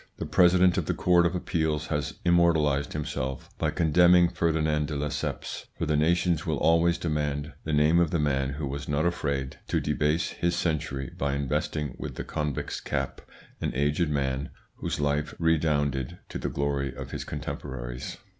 The President of the Court of Appeal has immortalised himself by condemning Ferdinand de Lesseps, for the nations will always demand the name of the man who was not afraid to debase his century by investing with the convict's cap an aged man, whose life redounded to the glory of his contemporaries.